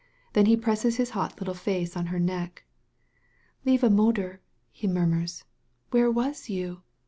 Then he presses his hot little face in her neck. Lieve moederl he murmurs. "Where was you?